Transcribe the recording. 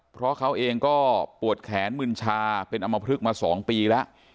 เพราะเขาเองก็ปวดแขนมึนชาเป็นอมพลึกมา๒ปีแล้ว